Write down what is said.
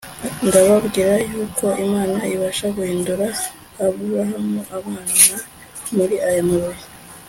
Ndababwira yuko Imana ibasha guhindurira Aburahamu abana muri aya mabuye.